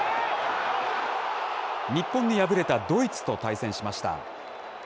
日本に敗れたドイツと対戦しました。